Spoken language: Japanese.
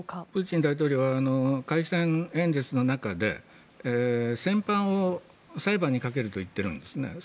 プーチン大統領は開戦演説の中で戦犯を裁判にかけると言っているんですね。